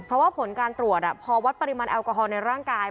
เพราะว่าผลการตรวจพอวัดปริมาณแอลกอฮอลในร่างกาย